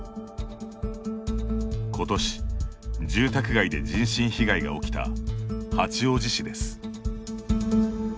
今年、住宅街で人身被害が起きた八王子市です。